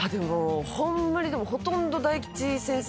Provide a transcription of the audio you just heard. ホンマにほとんど大吉先生